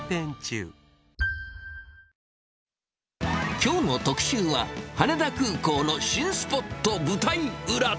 きょうの特集は、羽田空港の新スポット舞台裏。